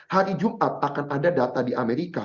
hari jumat akan ada data di amerika